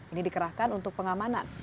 ini dikerahkan untuk pengamanan